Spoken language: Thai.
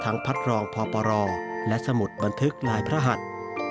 ทั้งพัดรองพปและสมุดบันทึกลายพระหัตถ์